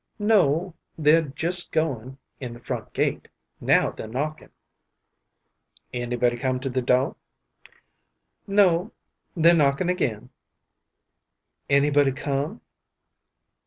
"No. They're just goin' in the front gate. Now they're knockin'." "Anybody come to the door?" "No. They're knocking again." "Anybody come?"